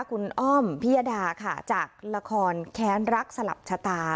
คุณอ้อมพิยดาค่ะจากละครแค้นรักสลับชะตา